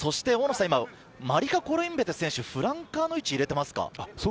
マリカ・コロインベテをフランカーの位置に入れていますか？